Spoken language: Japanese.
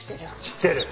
知ってる。